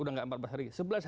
udah gak empat belas hari